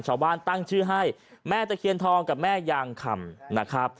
ชาวบ้านตั้งชื่อให้แม่ตะเคียนทองกับแม่ยางคำนะครับ